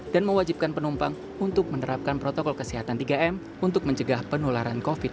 dan mewajibkan penumpang untuk menerapkan protokol kesehatan tiga m untuk mencegah penularan covid sembilan belas